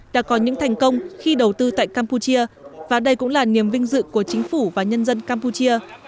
đã có những thành công khi đầu tư tại campuchia và đây cũng là niềm vinh dự của chính phủ và nhân dân campuchia